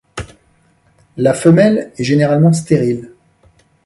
La femelle est généralement stérile.